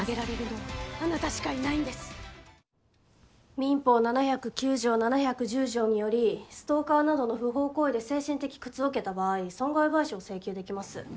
民法７０９条７１０条によりストーカーなどの「不法行為」で精神的苦痛を受けた場合損害賠償を請求できます。